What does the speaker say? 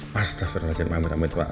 mas tufir maaf maaf pak